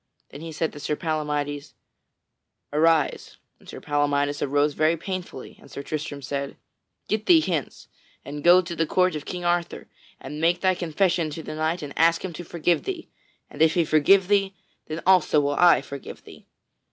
Then he said to Sir Palamydes, "Arise." And Sir Palamydes arose very painfully, and Sir Tristram said: "Get thee hence, and go to the court of King Arthur and make thy confession to the King and ask him to forgive thee, and if he forgive thee, then also I will forgive thee."